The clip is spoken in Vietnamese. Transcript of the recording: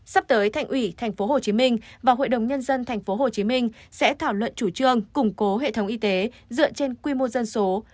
sắp tới thành ủy tp hcm và hội đồng nhân dân tp hcm sẽ thảo luận chủ trương củng cố hệ thống y tế dựa trên quy mô dân số